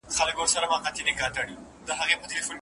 د بادار په اشاره پرې کړي سرونه